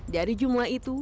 dari jumlah itu